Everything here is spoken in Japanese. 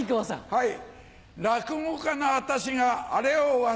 はい。